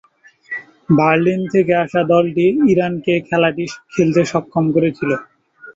Berlin থেকে আসা দলটি ইরানকে খেলাটি খেলতে সক্ষম করেছিল।